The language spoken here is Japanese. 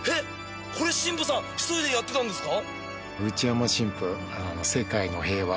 これ神父さん１人でやってたんですか？